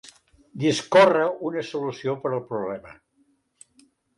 Discórrer una solució per al problema.